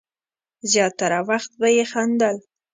زیاتره وخت به یې خندل.